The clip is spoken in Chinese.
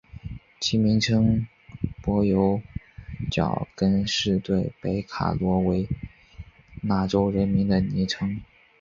其名称柏油脚跟是对北卡罗来纳州人民的昵称。